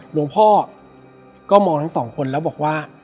หลวงพ่อก็มองทั้งสองคนแล้วบอกว่า